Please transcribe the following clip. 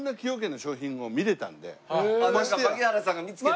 なんか槙原さんが見つけた。